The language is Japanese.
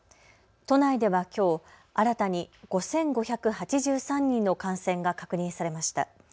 都内ではきょう新たに５５８３人の感染が確認されました。